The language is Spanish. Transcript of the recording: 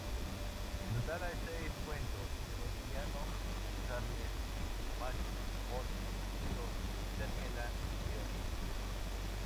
En total hay seis cuentos: Sebastiano, Charles, Mary, Horst, Ciro y Daniela, Leonid.